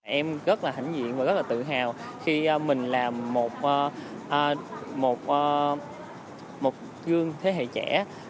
em rất là hãnh diện và rất là tự hào khi mình là một gương thế hệ trẻ